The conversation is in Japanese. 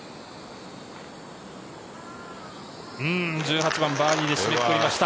１８番、バーディーで締めくくりました。